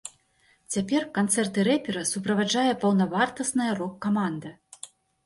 Цяпер канцэрты рэпера суправаджае паўнавартасная рок-каманда.